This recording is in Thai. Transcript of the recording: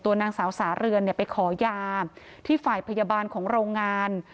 นางสาวสาเรือนไปขอยาที่ฝ่ายพยาบาลของโรงงาน